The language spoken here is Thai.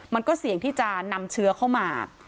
มันก็เสี่ยงที่จะนำเชื้อเข้ามา